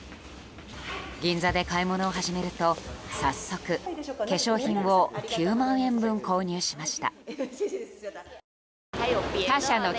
銀座で買い物を始めると早速、化粧品を９万円分購入しました。